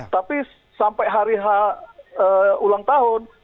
tapi sampai hari ulang tahun